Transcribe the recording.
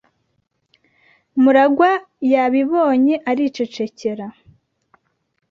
MuragwA yabibonye aricecekera?